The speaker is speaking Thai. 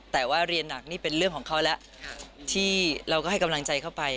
แต่ว่าเรียนหนักนี่เป็นเรื่องของเขาแล้วที่เราก็ให้กำลังใจเข้าไป